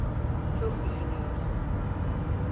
Çok düşünüyorsun.